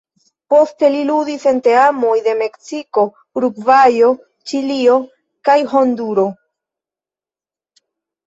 Poste li ludis en teamoj de Meksiko, Urugvajo, Ĉilio kaj Honduro.